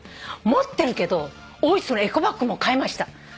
持ってるけど大磯のエコバッグも買いました。